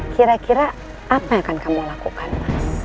kira kira apa yang akan kamu lakukan